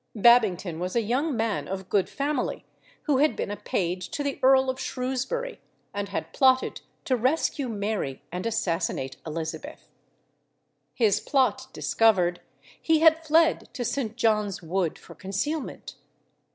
Babington was a young man of good family, who had been a page to the Earl of Shrewsbury, and had plotted to rescue Mary and assassinate Elizabeth. His plot discovered, he had fled to St. John's Wood for concealment.